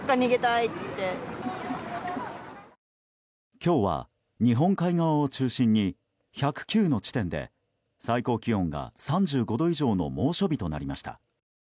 今日は日本海側を中心に１０９の地点で最高気温が３５度以上の猛暑日となりました。